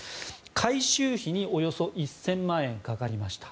改修費におよそ１０００万円かかりました。